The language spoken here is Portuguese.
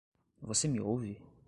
Você me ouve?